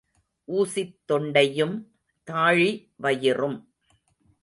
ஊசித் தொண்டையும் தாழி வயிறும்.